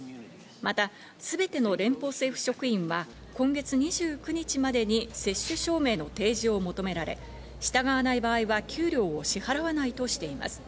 また、すべての連邦政府職員は今月２９日までに接種証明の提示を求められ、従がわない場合は給料支払わないとしています。